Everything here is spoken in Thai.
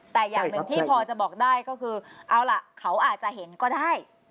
แต่อย่างหนึ่งที่พอจะบอกได้ก็คือเอาล่ะเขาอาจจะเห็นก็ได้